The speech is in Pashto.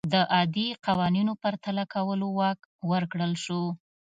د عادي قوانینو پرتله کولو واک ورکړل شو.